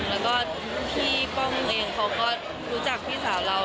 แล้วก็พี่ป้องเองเขาก็รู้จักพี่สาวเรา